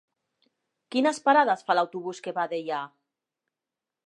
Quines parades fa l'autobús que va a Deià?